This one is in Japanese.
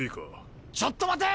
ちょっと待て！